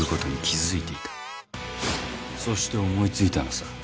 そして思い付いたのさ。